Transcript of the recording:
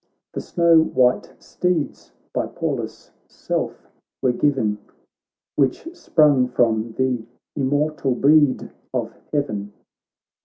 The snow white steeds by Pallas' self were given, Which sprung from the immortal breed of heaven.